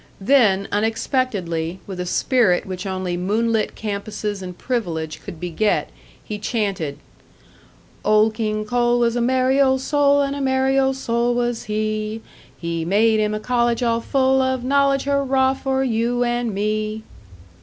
Then, unexpectedly, with a spirit which only moonlit campuses and privilege could beget, he chanted: "Old King Coal was a merry old soul, And a merry old soul was he; He made him a college, all full of knowledge Hurrah for you and me!"